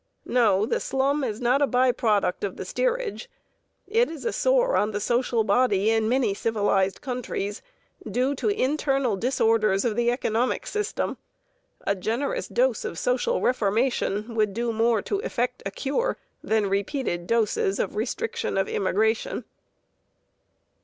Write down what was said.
No, the slum is not a by product of the steerage. It is a sore on the social body in many civilized countries, due to internal disorders of the economic system. A generous dose of social reformation would do more to effect a cure than repeated doses of restriction of immigration.